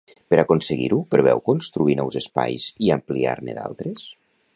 Per aconseguir-ho, preveu construir nous espais i ampliar-ne d'altres.